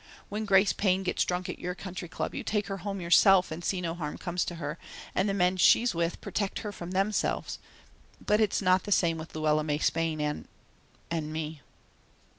When Grace Payne gets drunk at your Country Club you take her home yourself and see no harm comes to her, and the men she's with protect her from themselves, but it's not the same with Luella May Spain and and me."